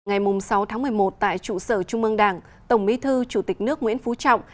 ngày sáu tháng một mươi một tại trụ sở trung mương đảng tổng bí thư chủ tịch nước nguyễn phú trọng